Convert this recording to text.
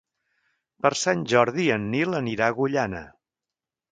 Per Sant Jordi en Nil anirà a Agullana.